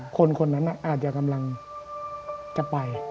คนคนนั้นอาจจะกำลังจะไป